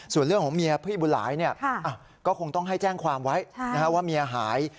ส่วนเรื่องของเมียพี่บุญหลายก็คงต้องให้แจ้งความไว้ว่าเมียหาย